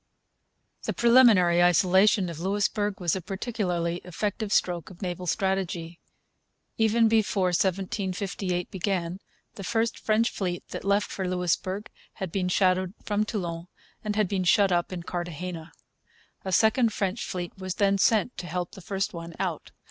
The preliminary isolation of Louisbourg was a particularly effective stroke of naval strategy. Even before 1758 began the first French fleet that left for Louisbourg had been shadowed from Toulon and had been shut up in Cartagena. A second French fleet was then sent to help the first one out.